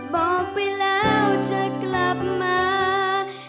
บอกไปแล้วจะกลับมา